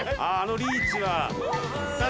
あのリーチは。